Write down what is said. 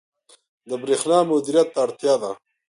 • د برېښنا مدیریت ته اړتیا ده.